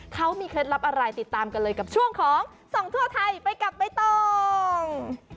เขามีเคล็ดลับอะไรติดตามกันเลยกับช่วงของส่องทั่วไทยไปกับใบตอง